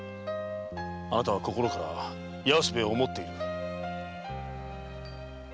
あなたは心から安兵衛を想っている。